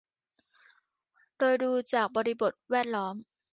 โดยดูจากบริบทแวดล้อม